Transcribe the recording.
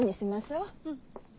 うん。